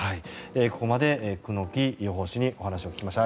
ここまで久能木予報士にお話を聞きました。